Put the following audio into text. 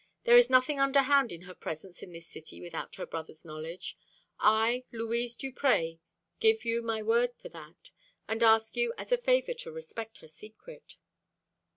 There is nothing underhand in her presence in this city without her brother's knowledge. I, Louise Duprez, give you my word for that, and ask you as a favour to respect her secret."